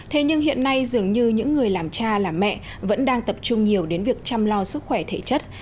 thế nhưng hiện nay dường như những người làm cha làm mẹ vẫn đang tập trung nhiều đến việc chăm lo sức khỏe thể chất